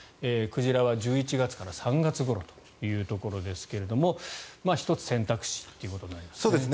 鯨は１１月から３月ごろということですが１つ選択肢ということになりますね。